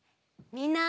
みんな。